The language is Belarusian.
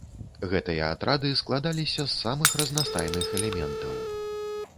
Гэтыя атрады складаліся з самых разнастайных элементаў.